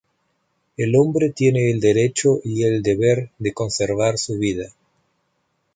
El hombre tiene el derecho y el deber de conservar su vida.